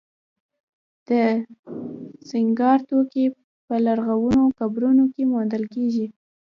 د سینګار توکي په لرغونو قبرونو کې موندل شوي